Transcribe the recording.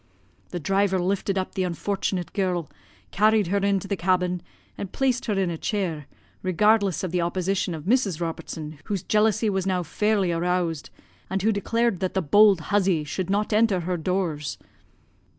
"The driver lifted up the unfortunate girl, carried her into the cabin, and placed her in a chair, regardless of the opposition of Mrs. Robertson, whose jealousy was now fairly aroused, and who declared that the bold huzzie should not enter her doors.